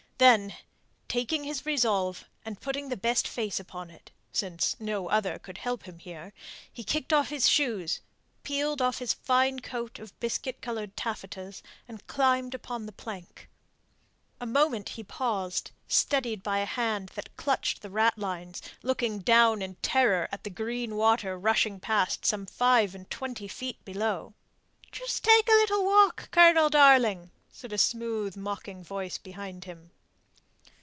Then, taking his resolve, and putting the best face upon it, since no other could help him here, he kicked off his shoes, peeled off his fine coat of biscuit coloured taffetas, and climbed upon the plank. A moment he paused, steadied by a hand that clutched the ratlines, looking down in terror at the green water rushing past some five and twenty feet below. "Just take a little walk, Colonel, darling," said a smooth, mocking voice behind him.